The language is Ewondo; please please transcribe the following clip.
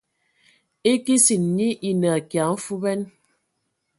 E kesin nyi enə akia mfuban.